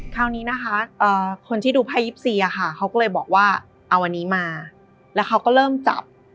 คราวนี้นะคะคนที่ดูไพ่๒๔ค่ะเขาก็เลยบอกว่าเอาอันนี้มาแล้วเขาก็เริ่มจับ